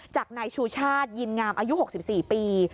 จากนายชูชาติยินงามอายุ๖๔ปี